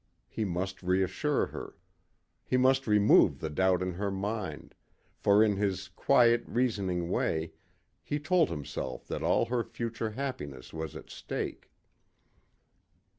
He must reassure her. He must remove the doubt in her mind, for, in his quiet, reasoning way, he told himself that all her future happiness was at stake.